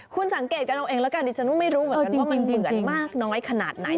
คุณสังเกตกันเอาเองแล้วกันดิฉันก็ไม่รู้เหมือนกันว่ามันเหมือนมากน้อยขนาดไหน